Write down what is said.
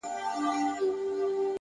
پوهه د ذهن کړکۍ پرانیزي!